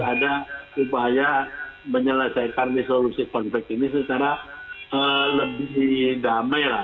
ada upaya menyelesaikan resolusi konflik ini secara lebih damai lah